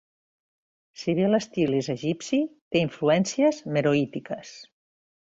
Si bé l'estil és egipci té influències meroítiques.